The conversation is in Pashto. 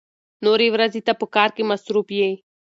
نورې ورځې ته په کار کې مصروف يې.